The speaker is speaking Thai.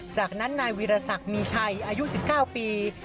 จากนั้นนายวิรสักมีชัยอายุ๑๙ปี